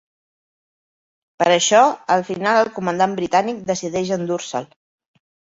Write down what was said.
Per això, al final el comandant britànic decideix endur-se'l.